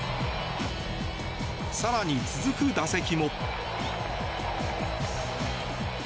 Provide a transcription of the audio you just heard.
更に、続く打席も。